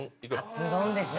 カツ丼でしょ